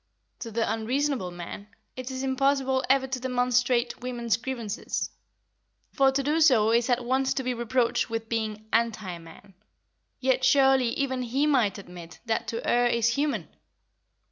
To the unreasonable man, it is impossible ever to demonstrate women's grievances, for to do so is at once to be reproached with being "anti man"; yet surely even he might admit that to err is human.